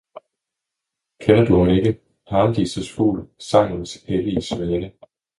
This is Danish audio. Kender du ham ikke? Paradisets fugl, sangens hellige svane.